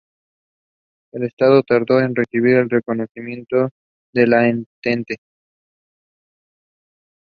El Estado tardó en recibir el reconocimiento de la Entente.